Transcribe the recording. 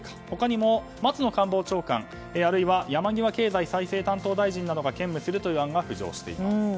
他にも松野官房長官、あるいは山際経済再生担当大臣などが兼務する案が浮上しています。